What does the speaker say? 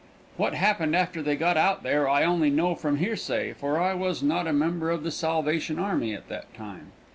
What happened after they got out there I only know from hearsay, for I was not a member of the Salvation army at that time.